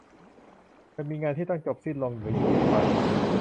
จะมีงานที่ต้องจบสิ้นลงหรือยุติไป